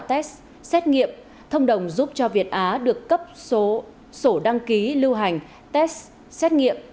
test xét nghiệm thông đồng giúp cho việt á được cấp số đăng ký lưu hành test xét nghiệm